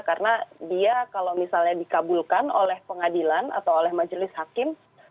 karena dia kalau misalnya dikabulkan oleh pengadilan atau oleh majelis hakim